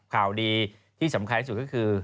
ข่าวดีที่สำคัญที่สุดก็คือ